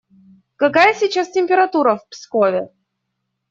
Какая сейчас температура в Пскове?